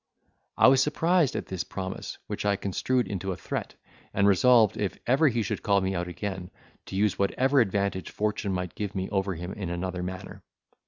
I was surprised at this promise, which I construed into a threat, and resolved, if ever he should call me out again, to use whatever advantage fortune might give me over him in another manner.